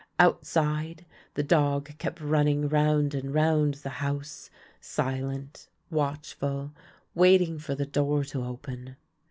Outside, the dog kept running round and round the house, silent, watchful, waiting for the door to open.